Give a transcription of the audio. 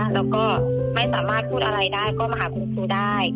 แล้วก็ไม่สามารถพูดอะไรได้ก็มาหาคุณครูได้